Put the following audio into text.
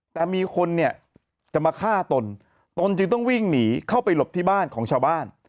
แต่มีคนเนี่ยจะมาฆ่าตนตนจึงต้องวิ่งหนีเข้าไปหลบที่บ้านของชาวบ้าน